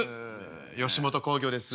吉本興業です。